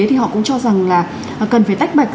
thì họ cũng cho rằng là cần phải tách bạch